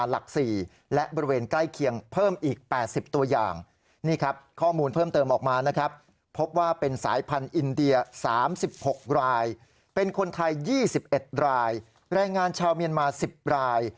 ๓๖รายเป็นคนไทย๒๑รายแรงงานชาวเมียนมา๑๐ราย